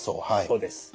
そうです。